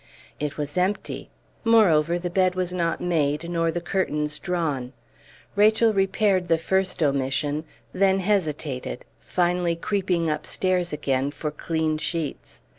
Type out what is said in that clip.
It was empty; moreover, the bed was not made, nor the curtains drawn. Rachel repaired the first omission, then hesitated, finally creeping upstairs again for clean sheets.